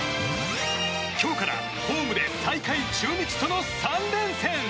今日からホームで最下位、中日との３連戦。